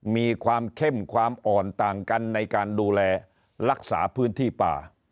มีความเข้มความอ่อนต่างกันในการดูแลรักษาพื้นที่ป่า